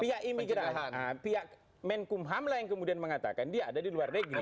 pihak imigrasi pihak menkumham lah yang kemudian mengatakan dia ada di luar negeri